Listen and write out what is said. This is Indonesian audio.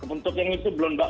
untuk yang itu belum mbak